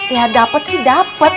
ya dapet sih dapet